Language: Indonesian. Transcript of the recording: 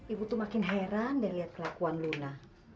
ibu itu makin heran dari lael kelakuan luna